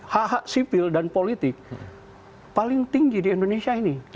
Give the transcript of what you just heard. hh sivil dan politik paling tinggi di indonesia ini